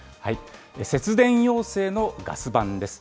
節電要請のガス版です。